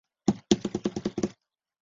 通假字使得文章很难读懂。